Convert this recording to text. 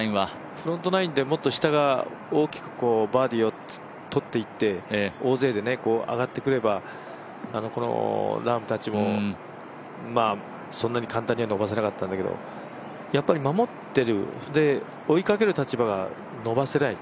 フロントナインでもっと下が大きくバーディーをとっていって大勢で上がってくれば、このラームたちも、そんなに簡単には伸ばせなかったんだけど、やっぱり守ってる、追いかける立場が伸ばせない。